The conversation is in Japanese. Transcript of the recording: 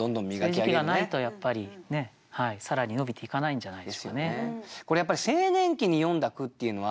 そういう時期がないとやっぱり更に伸びていかないんじゃないですかね。